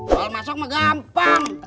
kalau masuk mah gampang